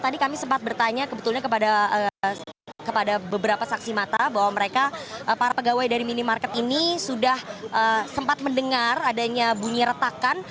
tadi kami sempat bertanya kepada beberapa saksi mata bahwa mereka para pegawai dari minimarket ini sudah sempat mendengar adanya bunyi retakan